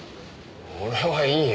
俺はいいよ。